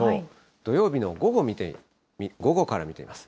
土曜日の午後から見てみます。